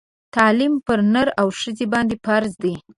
تعلیم پر نر او ښځه باندي فرض دی